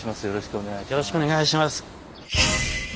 よろしくお願いします。